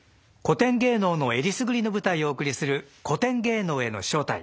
古典芸能の選りすぐりの舞台をお送りする「古典芸能への招待」。